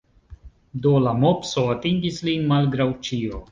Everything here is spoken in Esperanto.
Do la mopso atingis lin, malgraŭ ĉio.